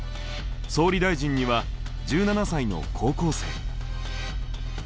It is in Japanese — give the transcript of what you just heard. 総理大臣には１７才の高校生。